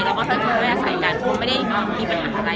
แล้วก็ถ้าคนไม่อาศัยกันก็ไม่ได้มีปัญหาอะไร